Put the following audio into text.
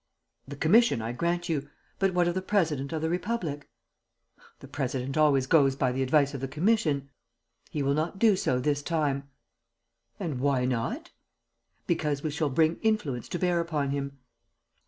"The commission, I grant you; but what of the president of the Republic?" "The president always goes by the advice of the commission." "He will not do so this time." "And why not?" "Because we shall bring influence to bear upon him."